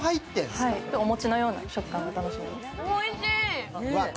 お餅のような食感が楽しめます。